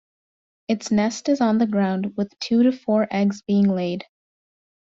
Its nest is on the ground, with two to four eggs being laid.